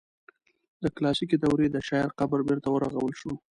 د کلاسیکي دورې د شاعر قبر بیرته ورغول شو.